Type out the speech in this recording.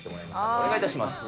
お願いいたします。